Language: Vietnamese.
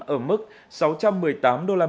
ở mức sáu năm tấm